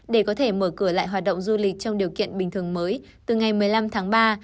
để có thể mở cửa lại hoạt động du lịch trong điều kiện bình thường mới từ ngày một mươi năm tháng ba